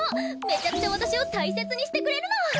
めちゃくちゃ私を大切にしてくれるの！